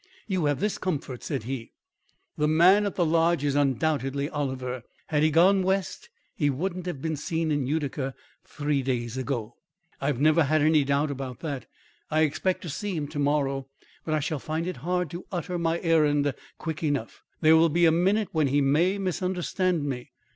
"You have this comfort," said he: "the man at the Lodge is undoubtedly Oliver. Had he gone West, he wouldn't have been seen in Utica three days ago." "I have never had any doubt about that. I expect to see him to morrow, but I shall find it hard to utter my errand quick enough. There will be a minute when he may misunderstand me.